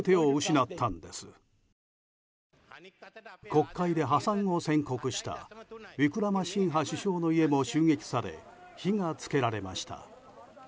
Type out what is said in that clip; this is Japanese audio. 国会で破産を宣告したウィクラマシンハ首相の家も襲撃され火が付けられました。